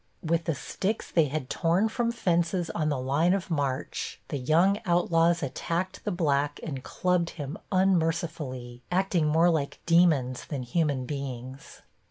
With the sticks they had torn from fences on the line of march the young outlaws attacked the black and clubbed him unmercifully, acting more like demons than human beings.